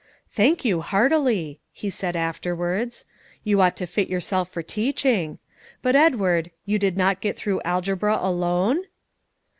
"Thank you heartily," he said afterwards. "You ought to fit yourself for teaching. But, Edward, you did not get through algebra alone?"